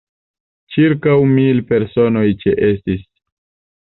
Ĉirkaŭ mil personoj ĉeestis.